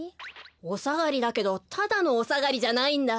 おさがりだけどただのおさがりじゃないんだ。